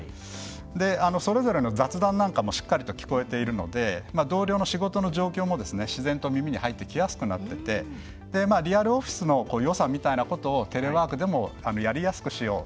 それぞれの雑談なんかもしっかりと聞こえているので同僚の仕事の状況も自然と耳に入ってきやすくなっていてリアルオフィスのよさみたいなことをテレワークでもやりやすくしよう。